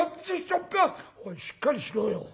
「おいしっかりしろよ。